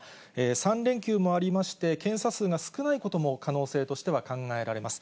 ３連休もありまして、検査数が少ないことも可能性としては考えられます。